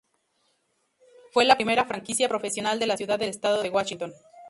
Fue la primera franquicia profesional de la ciudad del estado de Washington.